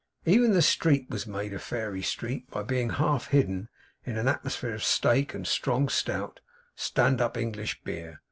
Even the street was made a fairy street, by being half hidden in an atmosphere of steak, and strong, stout, stand up English beer.